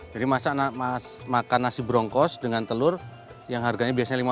jadi masak makan nasi bronkos dengan telur yang harganya biasanya lima belas